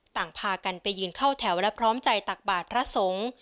ต่างพากันไปยืนเข้าแถวและพร้อมใจตักบาทพระสงฆ์